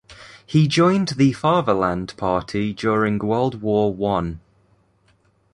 He joined the Fatherland Party during World War One.